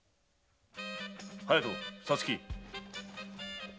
隼人皐月！